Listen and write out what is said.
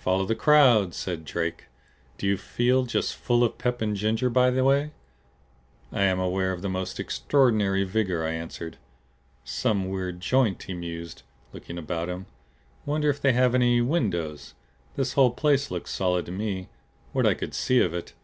"Follow the crowd!" said Drake. "Do you feel just full of pep and ginger, by the way?" "I am aware of the most extraordinary vigor," I answered. "Some weird joint," he mused, looking about him. "Wonder if they have any windows? This whole place looked solid to me what I could see of it.